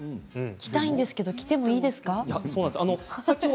着たいんですけど着てもいいですか。